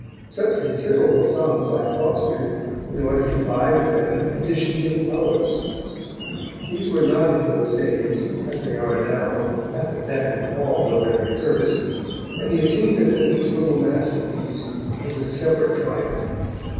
Such considerable sums I fostered in order to buy with them editions of the poets. These were not in those days, as they are now, at the beck and call of every purse, and the attainment of each little masterpiece was a separate triumph.